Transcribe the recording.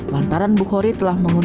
lantaran bukhari telah mengumumkan